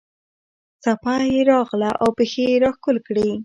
څپه یې راغله او پښې یې راښکل کړې.